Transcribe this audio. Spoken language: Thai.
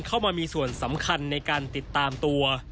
เข้ามามีส่วนสำคัญในการติดตามตัว